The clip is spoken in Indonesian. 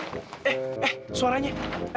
eh eh suaranya